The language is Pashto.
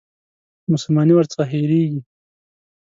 مسلماني ورڅخه هېرېږي.